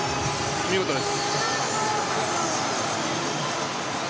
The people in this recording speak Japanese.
見事です。